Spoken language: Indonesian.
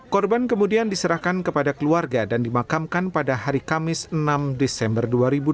korban kemudian diserahkan kepada keluarga dan dimakamkan pada hari kamis enam desember dua ribu dua puluh